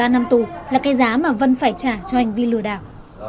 một mươi ba năm tù là cái giá mà vân phải trả cho hành vi lừa đảo